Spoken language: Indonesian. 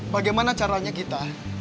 bagaimana caranya kita